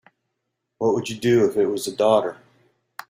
What would you do if it was a daughter?